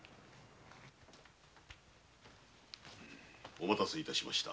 お待たせ致しました。